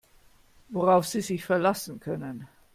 Worauf Sie sich verlassen können.